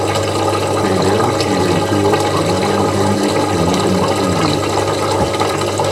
Peleó y venció a Brian Kendrick en un combate individual.